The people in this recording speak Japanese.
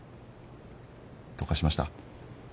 どうかしました？